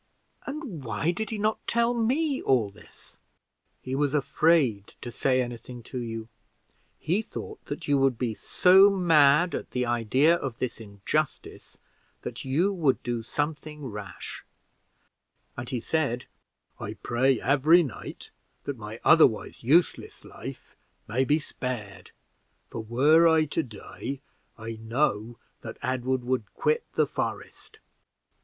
"And why did he not tell me all this?" "He was afraid to say any thing to you; he thought that you would be so mad at the idea of this injustice that you would do something rash: and he said, I pray every night that my otherwise useless life may be spared; for, were I to die, I know that Edward would quit the forest."